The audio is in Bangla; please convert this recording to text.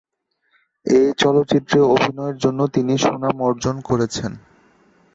এই চলচ্চিত্রে অভিনয়ের জন্য তিনি সুনাম অর্জন করেছেন।